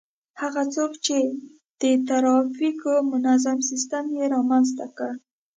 هغه څوک چي د ترافیکو منظم سیستم يې رامنځته کړ